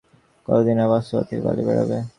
কতদিন আর বাস্তবতা থেকে পালিয়ে বেড়াবে?